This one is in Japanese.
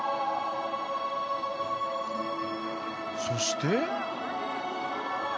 そして？